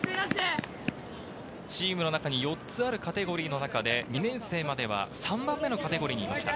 チームの中に４つあるカテゴリーの中で２年生までは、３番目のカテゴリーにいました。